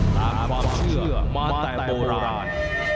ตามความเชื่อมาแต่โบราณ